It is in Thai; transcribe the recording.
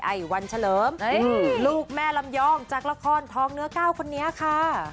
ไอวันเฉลิมลูกแม่ลำยองจากละครทองเนื้อก้าวคนนี้ค่ะ